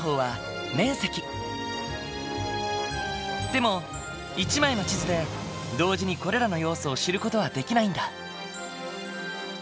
でも１枚の地図で同時にこれらの要素を知る事はできないんだ。